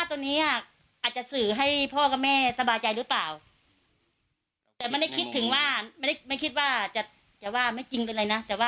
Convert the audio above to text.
ก็อยากพิสูจน์ทุกอย่างคืออยากพิสูจน์วิทยาศาสตร์อยู่ในแล้ว